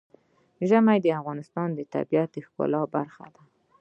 ژمی د افغانستان د طبیعت د ښکلا برخه ده.